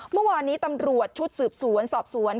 เมื่อวานนี้ตำรวจชุดสืบสวนสอบสวน